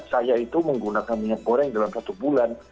saya itu menggunakan minyak goreng dalam satu bulan